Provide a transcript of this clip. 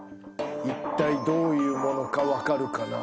一体どういうものか分かるかな